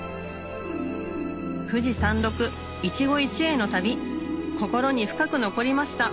富士山麓一期一会の旅心に深く残りました